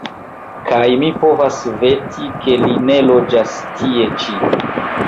Kaj mi povas veti, ke li ne loĝas tie ĉi.